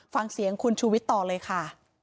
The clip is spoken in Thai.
ฟังเสียงคุณชูวิทย์ต่อเลยค่ะ